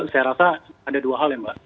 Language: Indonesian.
saya rasa ada dua hal ya mbak